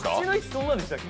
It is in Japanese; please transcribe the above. そんなでしたっけ。